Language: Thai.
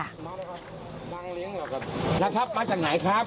นักเรียนมาจากไหนครับ